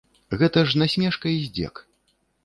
Гэта ж насмешка і здзек.